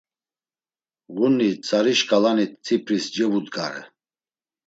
Ğuni tzari şǩalani tsipris cevudgare.